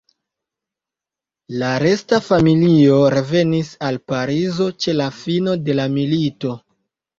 La resta familio revenis al Parizo ĉe la fino de la milito.